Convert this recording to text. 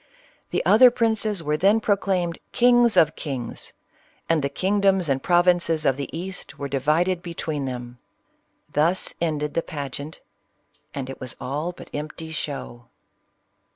The other princes were then proclaimed " kings of kings ;" and the kingdoms and provinces of the East were divided between them. Thus ended the pageant, — and it was all but empty show.